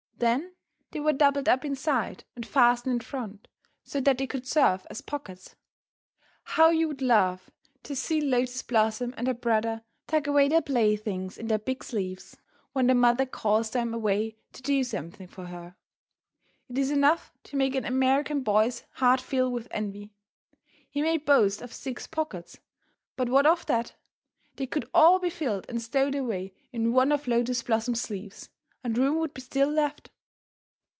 Then they were doubled up inside and fastened in front so that they could serve as pockets. How you would laugh to see Lotus Blossom and her brother tuck away their playthings in their big sleeves when their mother calls them away to do something for her! It is enough to make an American boy's heart fill with envy. He may boast of six pockets, but what of that? They could all be filled and stowed away in one of Lotus Blossom's sleeves, and room would be still left.